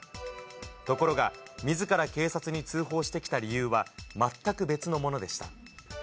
ところが、みずから警察に通報してきた理由は、全く別のものでした。